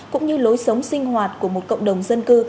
cũng như lối sống sinh hoạt của một cộng đồng dân cư